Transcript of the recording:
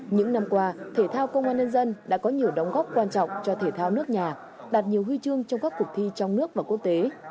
những năm qua thể thao công an nhân dân đã có nhiều đóng góp quan trọng cho thể thao nước nhà đạt nhiều huy chương trong các cuộc thi trong nước và quốc tế